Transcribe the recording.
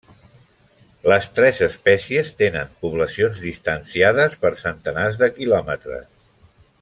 Les tres espècies tenen poblacions distanciades per centenars de quilòmetres.